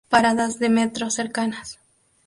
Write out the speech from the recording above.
Paradas de metro cercanas